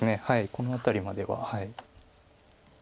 この辺りまでははい。